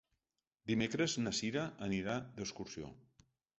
Dimecres na Cira anirà d'excursió.